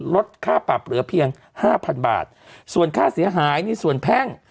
ลดค่าปรับเหลือเพียงห้าพันบาทส่วนค่าเสียหายในส่วนแพ่ง